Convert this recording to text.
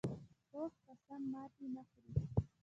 پوخ قسم ماتې نه خوري